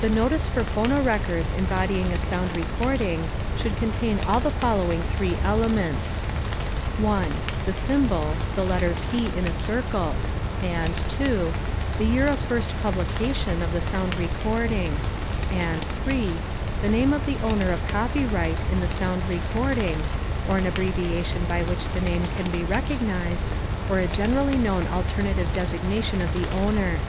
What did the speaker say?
The notice for phonorecords embodying a sound recording should contain all the following three elements: 1. *The symbol* (the letter P in a circle); and 2. *The year of first publication* of the sound recording; and 3. *The name of the owner of copyright* in the sound recording, or an abbreviation by which the name can be recognized, or a generally known alternative designation of the owner.